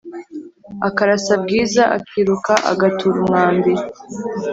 akarasa bwiza akiruka agatora umwambi